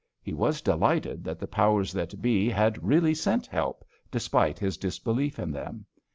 He was delighted that the powers that be had really sent help, despite his disbelief in them.